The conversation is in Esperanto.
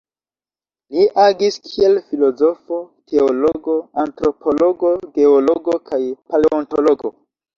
Li agis kiel filozofo, teologo, antropologo, geologo kaj paleontologo.